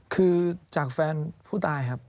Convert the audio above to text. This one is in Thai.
คือจากแฟนผู้ตายครับ